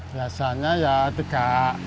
biasanya ya tiga